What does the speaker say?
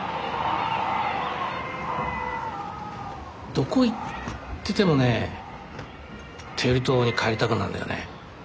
どこ行っててもね天売島に帰りたくなるんだよね。